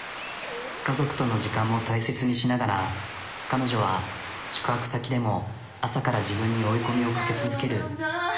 家族との時間も大切にしながら彼女は宿泊先でも朝から自分に追い込みをかけ続ける。